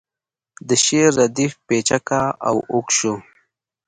د شعر ردیف پیچکه و او اوږد شو